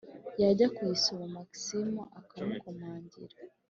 yajya kuyisoma maxime akamukomangira,